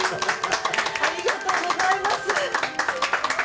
ありがとうございますええ